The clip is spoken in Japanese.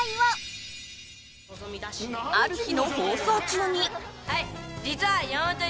ある日の放送中に。